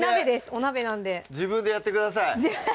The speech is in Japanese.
お鍋なんで自分でやってください